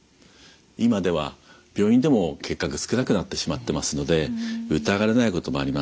今では病院でも結核少なくなってしまってますので疑われないこともあります。